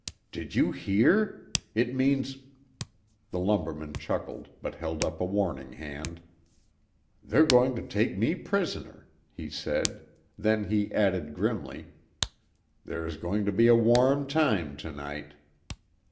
"Did you hear? It means " The lumberman chuckled, but held up a warning hand. "They're going to take me prisoner," he said. Then he added grimly, "There's going to be a warm time to night."